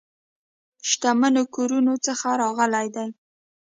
شتمنو کورونو څخه راغلي دي.